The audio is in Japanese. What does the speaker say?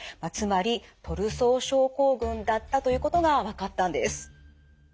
つまりトルソー症候群だったということが分かったんです。